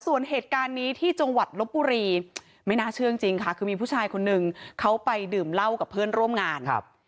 ส่วนเหตุการณ์นี้ที่จังหวัดลบบุรีไม่น่าเชื่อจริงค่ะคือมีผู้ชายคนนึงเขาไปดื่มเหล้ากับเพื่อนร่วมงาน